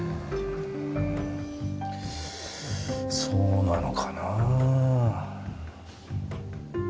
そうなのかなぁ。